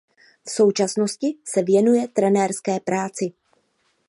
V současnosti se věnuje trenérské práci.